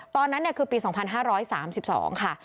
ตอนนั้นเนี่ยคือปี๒๕๓๒ค่ะ